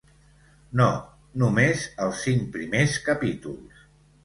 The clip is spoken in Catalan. No, només els cinc primers capítols.